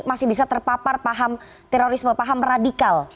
masih bisa terpapar paham terorisme paham radikal